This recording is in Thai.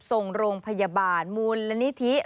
ส่งโรงพยาบาลมูลนิธิ